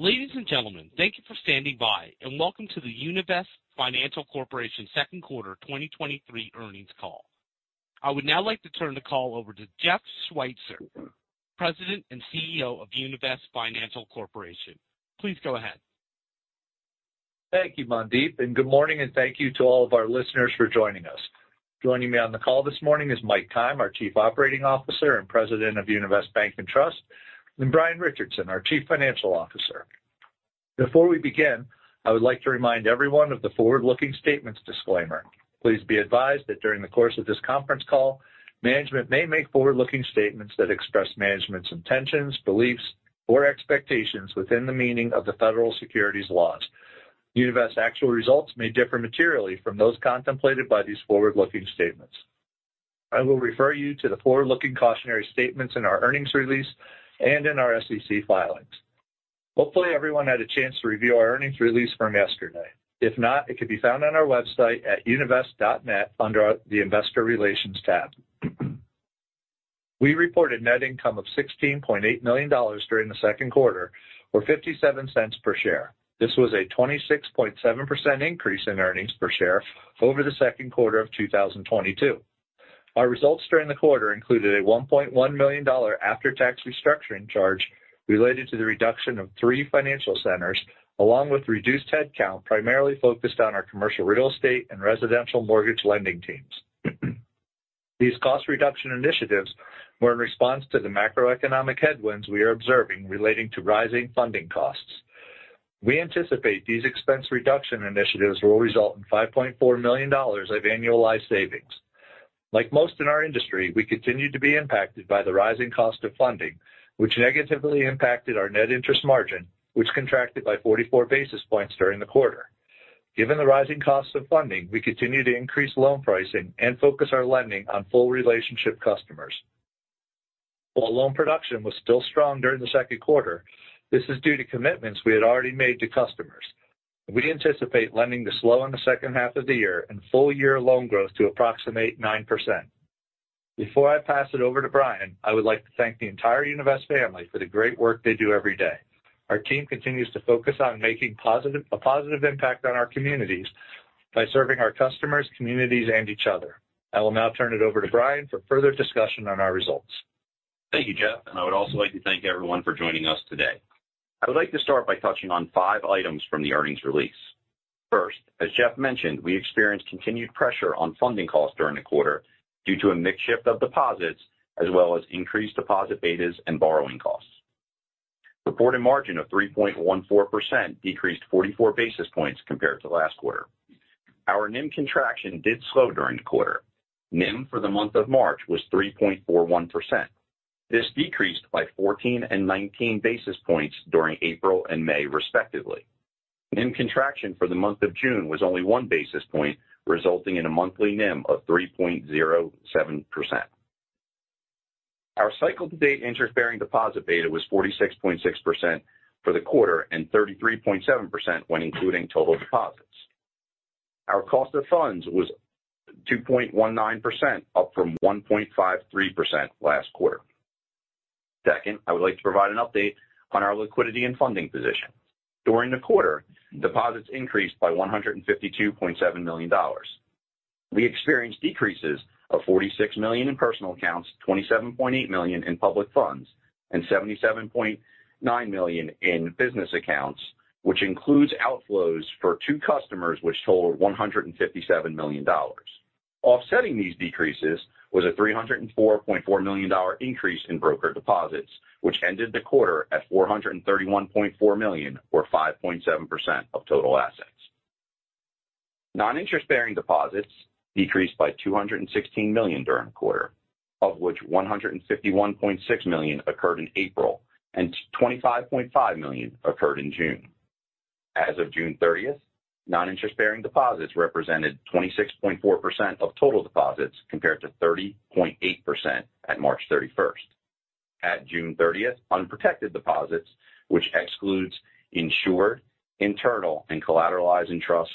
Ladies and gentlemen, thank you for standing by, and welcome to the Univest Financial Corporation Second Quarter 2023 Earnings Call. I would now like to turn the call over to Jeff Schweitzer, President and CEO of Univest Financial Corporation. Please go ahead. Thank you, Mandeep. Good morning, and thank you to all of our listeners for joining us. Joining me on the call this morning is Mike Keim, our Chief Operating Officer and President of Univest Bank and Trust, and Brian Richardson, our Chief Financial Officer. Before we begin, I would like to remind everyone of the forward-looking statements disclaimer. Please be advised that during the course of this conference call, management may make forward-looking statements that express management's intentions, beliefs, or expectations within the meaning of the federal securities laws. Univest's actual results may differ materially from those contemplated by these forward-looking statements. I will refer you to the forward-looking cautionary statements in our earnings release and in our SEC filings. Hopefully, everyone had a chance to review our earnings release from yesterday. If not, it could be found on our website at univest.net under the Investor Relations tab. We reported net income of $16.8 million during the second quarter, or $0.57 per share. This was a 26.7% increase in earnings per share over the second quarter of 2022. Our results during the quarter included a $1.1 million after-tax restructuring charge related to the reduction of three financial centers, along with reduced headcount, primarily focused on our commercial real estate and residential mortgage lending teams. These cost reduction initiatives were in response to the macroeconomic headwinds we are observing relating to rising funding costs. We anticipate these expense reduction initiatives will result in $5.4 million of annualized savings. Like most in our industry, we continue to be impacted by the rising cost of funding, which negatively impacted our net interest margin, which contracted by 44 basis points during the quarter. Given the rising costs of funding, we continue to increase loan pricing and focus our lending on full relationship customers. While loan production was still strong during the second quarter, this is due to commitments we had already made to customers. We anticipate lending to slow in the second half of the year and full-year loan growth to approximate 9%. Before I pass it over to Brian, I would like to thank the entire Univest family for the great work they do every day. Our team continues to focus on making a positive impact on our communities by serving our customers, communities, and each other. I will now turn it over to Brian for further discussion on our results. Thank you, Jeff. I would also like to thank everyone for joining us today. I would like to start by touching on five items from the earnings release. First, as Jeff mentioned, we experienced continued pressure on funding costs during the quarter due to a mix shift of deposits as well as increased deposit betas and borrowing costs. Reported margin of 3.14% decreased 44 basis points compared to last quarter. Our NIM contraction did slow during the quarter. NIM for the month of March was 3.41%. This decreased by 14 and 19 basis points during April and May, respectively. NIM contraction for the month of June was only 1 basis point, resulting in a monthly NIM of 3.07%. Our cycle-to-date interest-bearing deposit beta was 46.6% for the quarter and 33.7% when including total deposits. Our cost of funds was 2.19%, up from 1.53% last quarter. Second, I would like to provide an update on our liquidity and funding position. During the quarter, deposits increased by $152.7 million. We experienced decreases of $46 million in personal accounts, $27.8 million in public funds, and $77.9 million in business accounts, which includes outflows for two customers, which totaled $157 million. Offsetting these decreases was a $304.4 million increase in broker deposits, which ended the quarter at $431.4 million, or 5.7% of total assets. Non-interest-bearing deposits decreased by $216 million during the quarter, of which $151.6 million occurred in April and $25.5 million occurred in June. As of June 30th, non-interest-bearing deposits represented 26.4% of total deposits, compared to 30.8% at March 31st. At June 30th, unprotected deposits, which excludes insured, internal, and collateralized, and trust,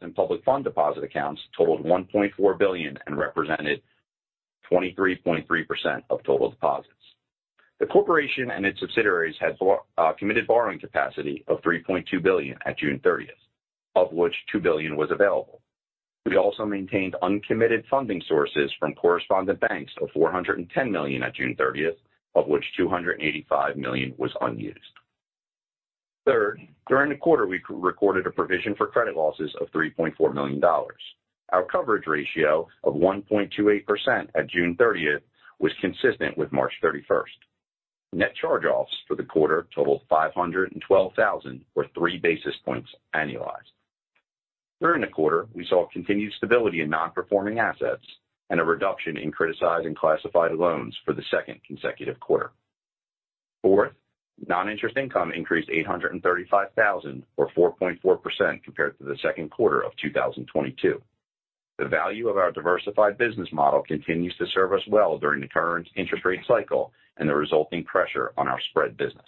and public fund deposit accounts, totaled $1.4 billion and represented 23.3% of total deposits. The corporation and its subsidiaries had committed borrowing capacity of $3.2 billion at June 30th, of which $2 billion was available. We also maintained uncommitted funding sources from correspondent banks of $410 million at June 30th, of which $285 million was unused. Third, during the quarter, we recorded a provision for credit losses of $3.4 million. Our coverage ratio of 1.28% at June 30th was consistent with March 31st. Net charge-offs for the quarter totaled $512,000, or 3 basis points annualized. During the quarter, we saw continued stability in non-performing assets and a reduction in criticized and classified loans for the second consecutive quarter. Fourth, non-interest income increased $835,000, or 4.4% compared to the second quarter of 2022. The value of our diversified business model continues to serve us well during the current interest rate cycle and the resulting pressure on our spread business.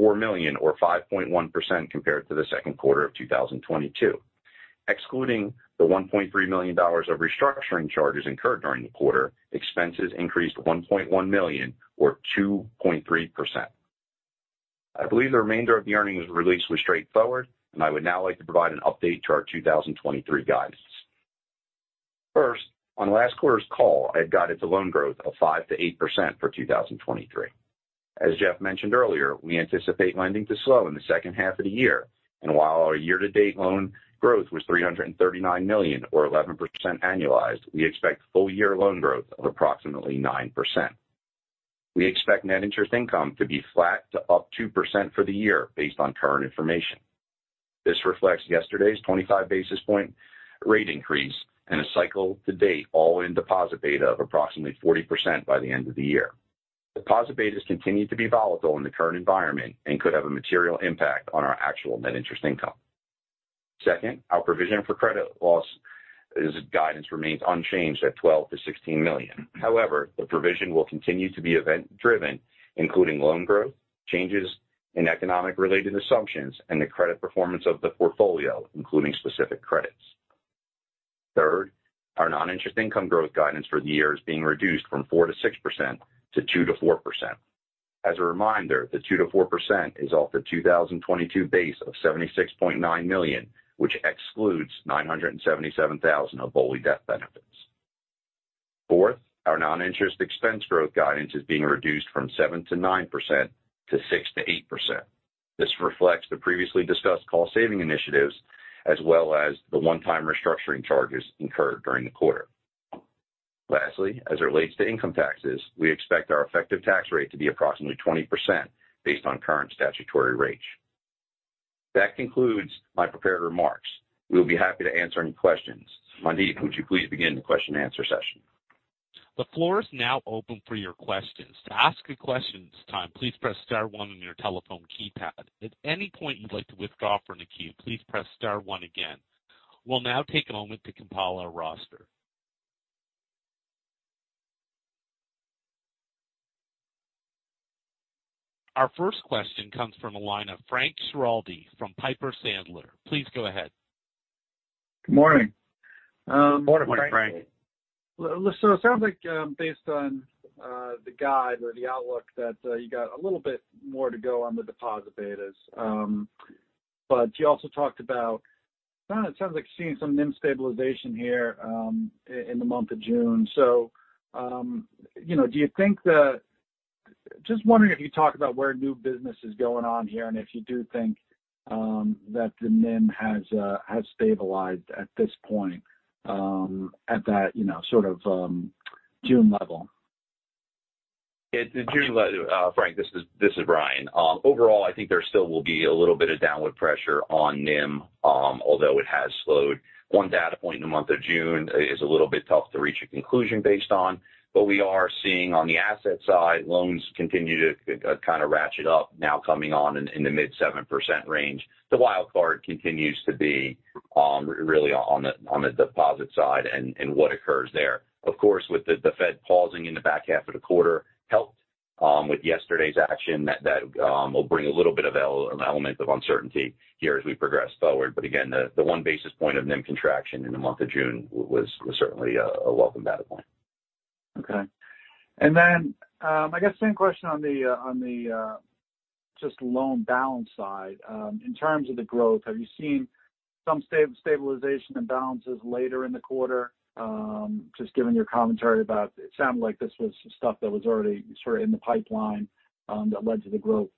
Fifth, non-interest expense increased $2.4 million, or 5.1% compared to the second quarter of 2022. Excluding the $1.3 million of restructuring charges incurred during the quarter, expenses increased $1.1 million or 2.3%. I believe the remainder of the earnings release was straightforward. I would now like to provide an update to our 2023 guidance. First, on last quarter's call, I had guided to loan growth of 5%-8% for 2023. As Jeff mentioned earlier, we anticipate lending to slow in the second half of the year, and while our year-to-date loan growth was $339 million or 11% annualized, we expect full year loan growth of approximately 9%. We expect net interest income to be flat to up 2% for the year based on current information. This reflects yesterday's 25 basis point rate increase and a cycle to date all-in deposit beta of approximately 40% by the end of the year. Deposit betas continue to be volatile in the current environment and could have a material impact on our actual net interest income. Second, our provision for credit loss guidance remains unchanged at $12 million-$16 million. However, the provision will continue to be event-driven, including loan growth, changes in economic-related assumptions, and the credit performance of the portfolio, including specific credits. Third, our non-interest income growth guidance for the year is being reduced from 4%-6% to 2%-4%. As a reminder, the 2%-4% is off the 2022 base of $76.9 million, which excludes $977,000 of BOLI death benefits. Fourth, our non-interest expense growth guidance is being reduced from 7%-9% to 6%-8%. This reflects the previously discussed cost saving initiatives as well as the one-time restructuring charges incurred during the quarter. Lastly, as it relates to income taxes, we expect our effective tax rate to be approximately 20% based on current statutory rates. That concludes my prepared remarks. We'll be happy to answer any questions. Mandeep, would you please begin the question-and-answer session? The floor is now open for your questions. To ask a questions this time, please press star one on your telephone keypad. At any point you'd like to withdraw from the queue, please press star one again. We'll now take a moment to compile our roster. Our first question comes from the line of Frank Schiraldi from Piper Sandler. Please go ahead. Good morning. Good morning, Frank. Morning, Frank. It sounds like, based on the guide or the outlook, that you got a little bit more to go on the deposit betas. You also talked about, kind of it sounds like seeing some NIM stabilization here, in the month of June. You know, just wondering if you talk about where new business is going on here, and if you do think that the NIM has stabilized at this point, at that, you know, sort of June level? It's the June level, Frank, this is Brian. Overall, I think there still will be a little bit of downward pressure on NIM, although it has slowed. One data point in the month of June is a little bit tough to reach a conclusion based on, we are seeing on the asset side, loans continue to kind of ratchet up, now coming on in, in the mid-7% range. The wild card continues to be really on the deposit side and what occurs there. Of course, with the Fed pausing in the back half of the quarter helped, with yesterday's action, that will bring a little bit of an element of uncertainty here as we progress forward. Again, the one basis point of NIM contraction in the month of June was certainly a welcome data point. Okay. I guess same question on the just loan balance side. In terms of the growth, have you seen some stabilization and balances later in the quarter? Just given your commentary about. It sounded like this was stuff that was already sort of in the pipeline that led to the growth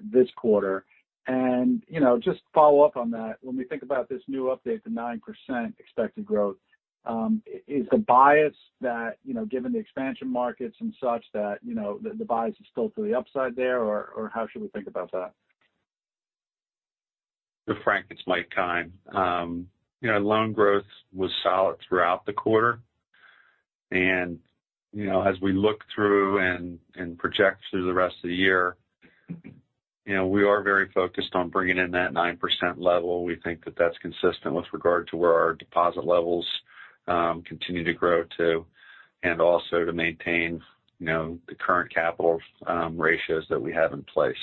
this quarter. You know, just follow up on that, when we think about this new update, the 9% expected growth, is the bias that, you know, given the expansion markets and such, that, you know, the bias is still to the upside there, or, or how should we think about that? Frank, it's Mike Keim. You know, loan growth was solid throughout the quarter. You know, as we look through and, and project through the rest of the year, we are very focused on bringing in that 9% level. We think that that's consistent with regard to where our deposit levels continue to grow to, and also to maintain, you know, the current capital ratios that we have in place.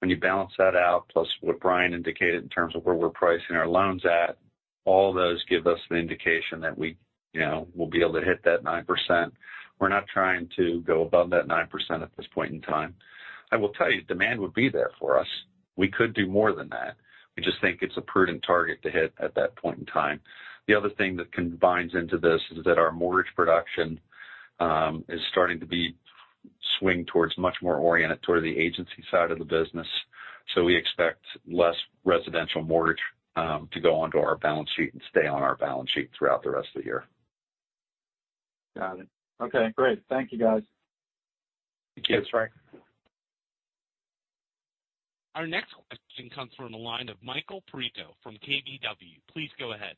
When you balance that out, plus what Brian indicated in terms of where we're pricing our loans at, all those give us an indication that we, you know, will be able to hit that 9%. We're not trying to go above that 9% at this point in time. I will tell you, demand would be there for us. We could do more than that. We just think it's a prudent target to hit at that point in time. The other thing that combines into this is that our mortgage production is starting to be swing towards much more oriented toward the agency side of the business. We expect less residential mortgage to go onto our balance sheet and stay on our balance sheet throughout the rest of the year. Okay, great. Thank you, guys. Thank you, Frank. Our next question comes from the line of Michael Perito from KBW. Please go ahead.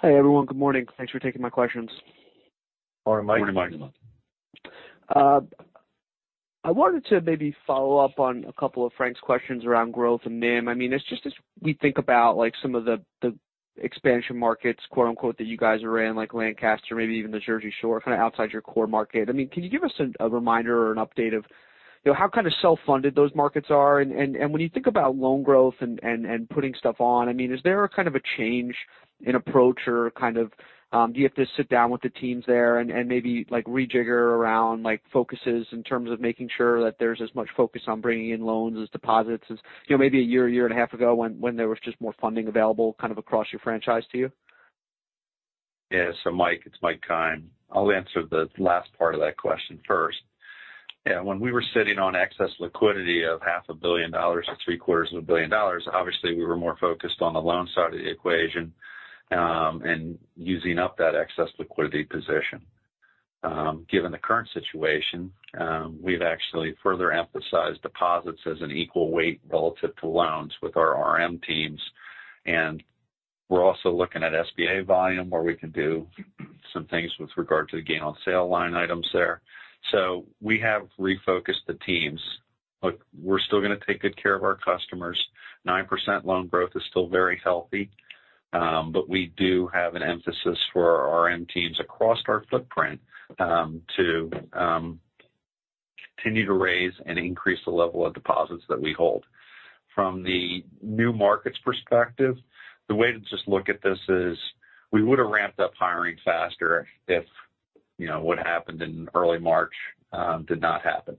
Hi, everyone. Good morning. Thanks for taking my questions. Morning, Michael. Morning. I wanted to maybe follow up on a couple of Frank's questions around growth and NIM. I mean, it's just as we think about, like, some of the 'expansion markets', that you guys are in, like Lancaster, maybe even the Jersey Shore, kind of outside your core market. I mean, can you give us a reminder or an update of, you know, how kind of self-funded those markets are? And when you think about loan growth and putting stuff on, I mean, is there a kind of a change in approach or kind of, do you have to sit down with the teams there and maybe, like, rejigger around, like, focuses in terms of making sure that there's as much focus on bringing in loans as deposits as, you know, maybe a year and a half ago, when there was just more funding available kind of across your franchise to you? Yeah. Mike, it's Mike Keim. I'll answer the last part of that question first. Yeah, when we were sitting on excess liquidity of $0.5 billion-$0.75 billion, obviously, we were more focused on the loan side of the equation, and using up that excess liquidity position. Given the current situation, we've actually further emphasized deposits as an equal weight relative to loans with our RM teams, and we're also looking at SBA volume, where we can do some things with regard to the gain on sale line items there. We have refocused the teams, but we're still gonna take good care of our customers. 9% loan growth is still very healthy. We do have an emphasis for our RM teams across our footprint, to continue to raise and increase the level of deposits that we hold. From the new markets perspective, the way to just look at this is we would have ramped up hiring faster if, you know, what happened in early March, did not happen.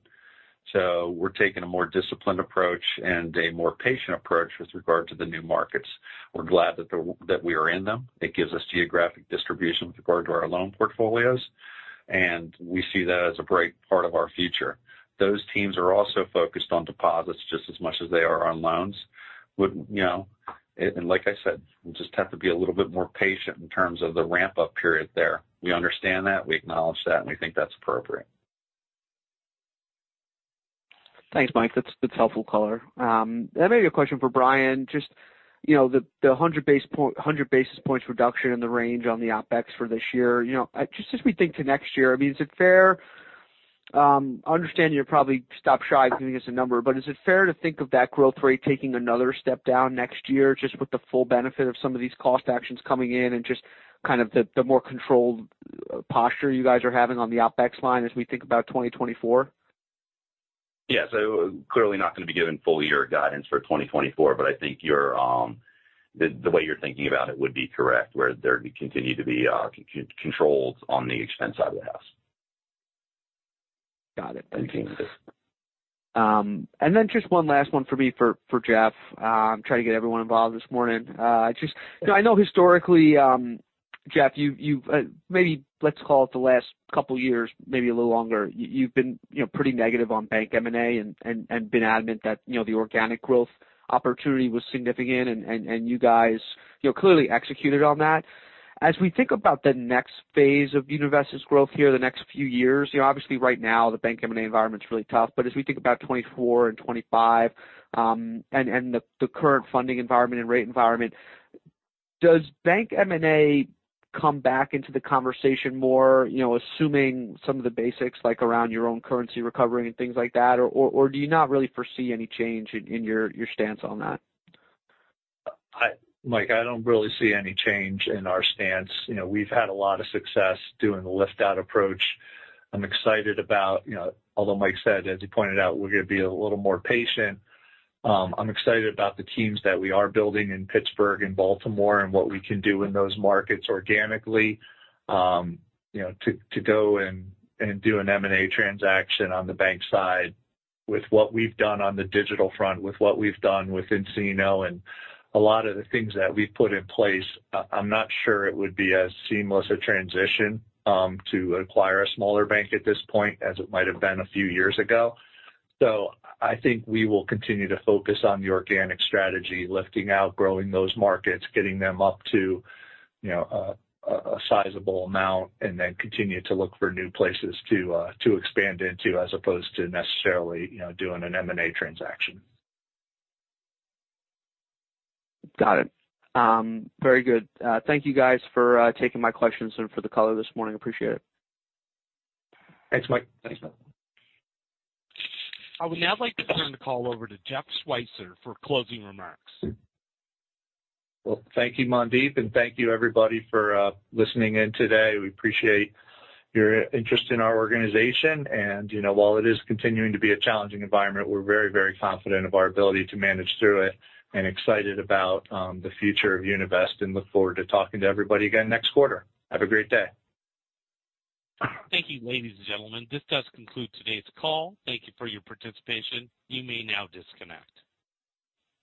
We're taking a more disciplined approach and a more patient approach with regard to the new markets. We're glad that we are in them. It gives us geographic distribution with regard to our loan portfolios, and we see that as a bright part of our future. Those teams are also focused on deposits just as much as they are on loans. You know, and like I said, we just have to be a little bit more patient in terms of the ramp-up period there. We understand that, we acknowledge that, and we think that's appropriate. Thanks, Mike. That's helpful color. Maybe a question for Brian, just, you know, the 100 basis points reduction in the range on the OpEx for this year. You know, just as we think to next year, I mean, is it fair, I understand you'll probably stop shy of giving us a number, but is it fair to think of that growth rate taking another step down next year, just with the full benefit of some of these cost actions coming in and just kind of the, the more controlled posture you guys are having on the OpEx line as we think about 2024? Clearly not going to be giving full year guidance for 2024, I think, the way you're thinking about it would be correct, where there continue to be controls on the expense side of the house. Got it. Thank you. Then just one last one for me, for Jeff. I'm trying to get everyone involved this morning. Just, I know historically, Jeff, you've maybe let's call it the last couple years, maybe a little longer, you've been pretty negative on bank M&A and been adamant that, you know, the organic growth opportunity was significant, and you guys clearly executed on that. As we think about the next phase of Univest's growth here, the next few years, you know, obviously right now, the bank M&A environment is really tough, but as we think about 2024 and 2025, and the current funding environment and rate environment, does bank M&A come back into the conversation more, you know, assuming some of the basics, like around your own currency recovery and things like that, or, do you not really foresee any change in your stance on that? Mike, I don't really see any change in our stance. You know, we've had a lot of success doing the lift-out approach. I'm excited about, you know, although Mike said, as he pointed out, we're going to be a little more patient. I'm excited about the teams that we are building in Pittsburgh and Baltimore and what we can do in those markets organically. You know, to go and do an M&A transaction on the bank side with what we've done on the digital front, with what we've done with nCino and a lot of the things that we've put in place, I'm not sure it would be as seamless a transition to acquire a smaller bank at this point as it might have been a few years ago. I think we will continue to focus on the organic strategy, lifting out, growing those markets, getting them up to, you know, a sizable amount, and then continue to look for new places to expand into, as opposed to necessarily, you know, doing an M&A transaction. Got it. Very good. Thank you guys for taking my questions and for the color this morning. I appreciate it. Thanks, Mike. Thanks, Mike. I would now like to turn the call over to Jeff Schweitzer for closing remarks. Thank you, Mandeep, and thank you, everybody, for listening in today. We appreciate your interest in our organization. You know, while it is continuing to be a challenging environment, we're very, very confident of our ability to manage through it and excited about the future of Univest and look forward to talking to everybody again next quarter. Have a great day. Thank you, ladies and gentlemen. This does conclude today's call. Thank you for your participation. You may now disconnect.